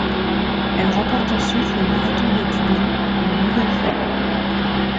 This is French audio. Elle remporte ensuite le marathon de Dublin, une nouvelle fois.